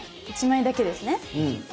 １枚だけですね？